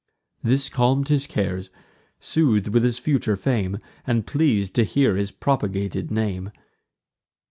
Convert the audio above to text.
This calm'd his cares; sooth'd with his future fame, And pleas'd to hear his propagated name.